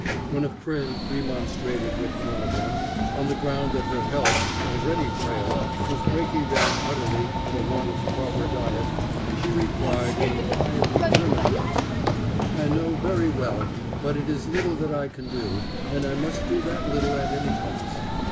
When a friend remonstrated with one of them, on the ground that her health, already frail, was breaking down utterly for want of proper diet, she replied, in a quiet, determined way, "I know that very well; but it is little that I can do, and I must do that little at any cost.